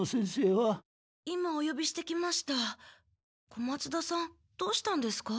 小松田さんどうしたんですか？